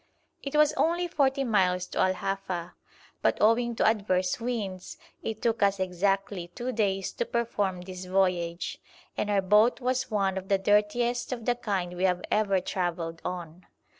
It was only forty miles to Al Hafa, but, owing to adverse winds, it took us exactly two days to perform this voyage, and our boat was one of the dirtiest of the kind we have ever travelled on.